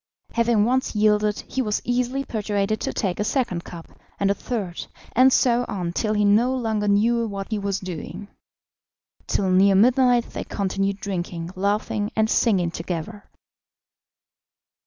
Having once yielded, he was easily persuaded to take a second cup, and a third, and so on till he no longer knew what he was doing. Till near midnight they continued drinking, laughing, and singing together.